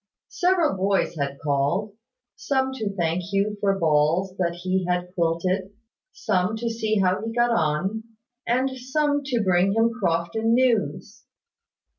Several boys had called; some to thank Hugh for balls that he had quilted; some to see how he got on; and some to bring him Crofton news.